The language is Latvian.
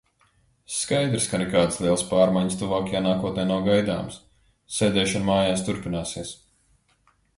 Skaidrs, ka nekādas lielas pārmaiņas tuvākajā nākotnē nav gaidāmas, sēdēšana mājās turpināsies.